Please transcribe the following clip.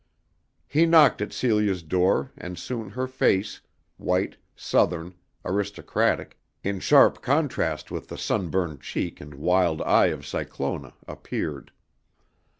He knocked at Celia's door and soon her face, white, Southern, aristocratic, in sharp contrast with the sunburned cheek and wild eye of Cyclona, appeared.